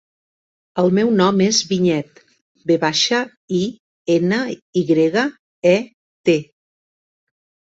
El meu nom és Vinyet: ve baixa, i, ena, i grega, e, te.